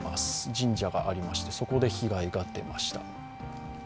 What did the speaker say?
神社がありまして、そこで被害が出ました。